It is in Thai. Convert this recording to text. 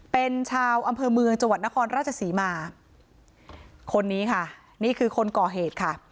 เป็นชาวอำเภอเมืองจังหวัดนครราชศรีมาคนนี้ค่ะนี่คือคนก่อเหตุค่ะ